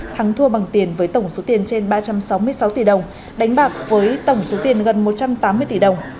thắng thua bằng tiền với tổng số tiền trên ba trăm sáu mươi sáu tỷ đồng đánh bạc với tổng số tiền gần một trăm tám mươi tỷ đồng